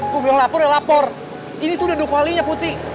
gue bilang lapor ya lapor ini tuh udah dovalinya putri